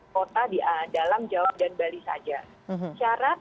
kota di dalam jawa dan bali saja syarat